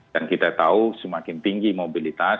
dan kita tahu semakin tinggi mobilitas